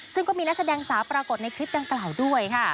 ซึ่งก็มีนักแสดงสาวปรากฏในคลิปดังกล่าวด้วยค่ะ